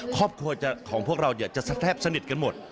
ครอบครัวของพวกเราจะแทบสนิทกันหมด